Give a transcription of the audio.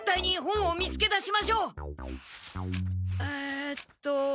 えっと。